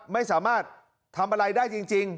ไม่สามารถทำอะไรได้จริง